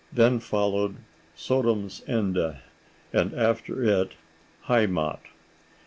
Then followed "Sodoms Ende," and after it, "Heimat."